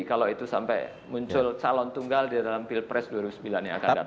kalau itu sampai muncul calon tunggal di dalam pilpres dua ribu sembilan yang akan datang